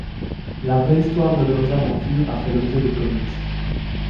La vraie histoire de leurs aventures a fait l'objet de comics.